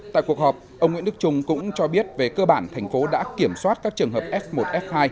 tại cuộc họp ông nguyễn đức trung cũng cho biết về cơ bản thành phố đã kiểm soát các trường hợp f một f hai